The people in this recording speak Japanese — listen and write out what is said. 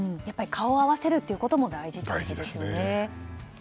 顔を合わせるということが大事ですよね。